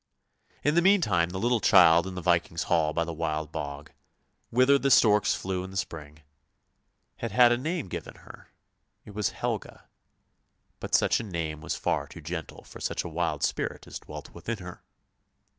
In the meantime the little child in the Viking's hall by the Wild Bog, whither the storks flew in the spring, had had a name given her: it was Helga, but such a name was far too gentle for such a wild spirit as dwelt within her.